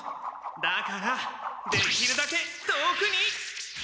だからできるだけ遠くに！